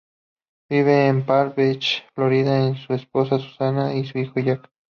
Vive en Palm Beach, Florida con su esposa Susan y su hijo Jack.